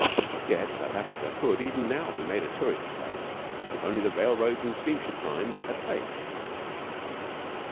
Yet South Africa could, even now, be made a tourists' place if only the railroads and steamship lines had faith.